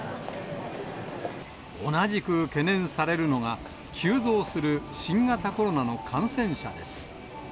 同じく懸念されるのが、急増する新型コロナの感染者です。